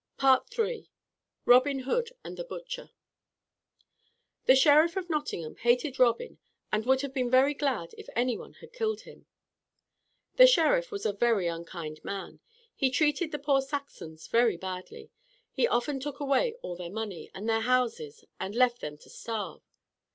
III ROBIN HOOD AND THE BUTCHER The Sheriff of Nottingham hated Robin and would have been very glad if any one had killed him. The Sheriff was a very unkind man. He treated the poor Saxons very badly. He often took away all their money, and their houses and left them to starve.